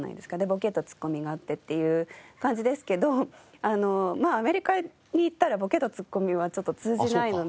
ボケとツッコミがあってっていう感じですけどアメリカに行ったらボケとツッコミは通じないので。